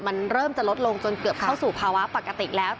มันเริ่มจะลดลงจนเกือบเข้าสู่ภาวะปกติแล้ว